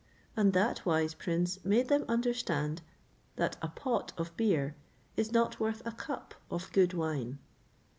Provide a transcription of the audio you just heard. and that wise prince made them understand that a pot of beer is not worth a cup of good wine.